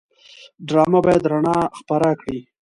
ډرامه باید رڼا خپره کړي